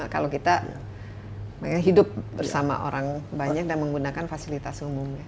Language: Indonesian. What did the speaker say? kalau kita hidup bersama orang banyak dan menggunakan fasilitas umum